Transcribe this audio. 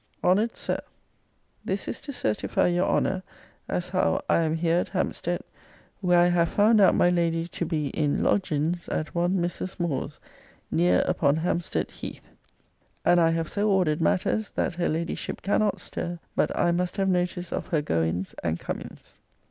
HONNERED SIR, This is to sertifie your Honner, as how I am heer at Hamestet, where I have found out my lady to be in logins at one Mrs. Moore's, near upon Hamestet Hethe. And I have so ordered matters, that her ladyship cannot stur but I must have notice of her goins and comins.